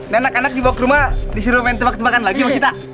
nenek nenek dibawa ke rumah disuruh minta bak ketepakan lagi pak gita